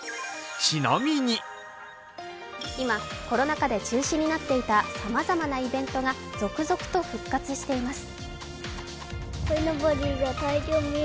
今、コロナ禍で中止になっていたさまざまなイベントが続々と復活しています。